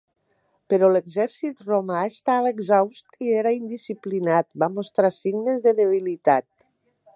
Però l'exèrcit romà estava exhaust i era indisciplinat va mostrar signes de debilitat.